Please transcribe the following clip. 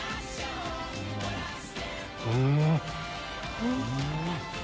うん！